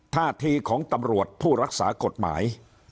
ท่าทีของตำรวจผู้รักษากฎหมาย